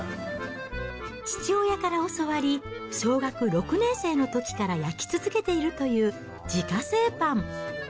父親から教わり、小学６年生のときから焼き続けているという、自家製パン。